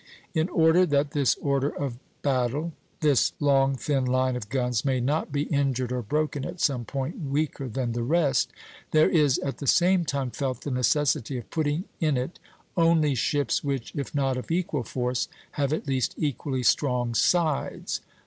In order that this order of battle, this long thin line of guns, may not be injured or broken at some point weaker than the rest, there is at the same time felt the necessity of putting in it only ships which, if not of equal force, have at least equally strong sides.